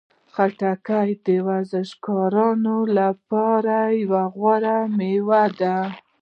خټکی د ورزشکارانو لپاره یوه غوره میوه ده.